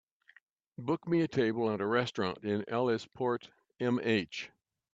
Book me a table at a restaurant in Ellisport, MH.